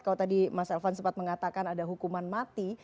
kalau tadi mas elvan sempat mengatakan ada hukuman mati